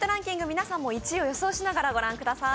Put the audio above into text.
皆さんも１位を予想しながらご覧ください。